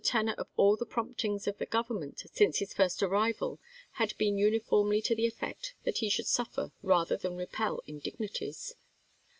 tenor of all the promptings of the Government since his first arrival had been uniformly to the effect that he should suffer rather than repel indignities.